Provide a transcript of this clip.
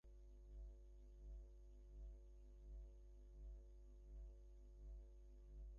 সে স্বচ্ছন্দে তাহার পুরাতন বন্ধুকে বিস্মৃত হইয়া প্রথমে নবী সহিসের সহিত সখ্য স্থাপন করিল।